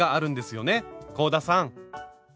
香田さん。